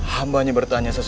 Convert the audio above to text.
hambanya bertanya sesudahnya